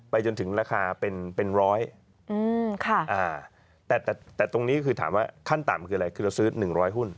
จนถึงราคาเป็นร้อยแต่ตรงนี้คือถามว่าขั้นต่ำคืออะไรคือเราซื้อ๑๐๐หุ้น